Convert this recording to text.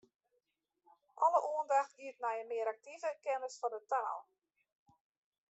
Alle oandacht giet nei in mear aktive kennis fan 'e taal.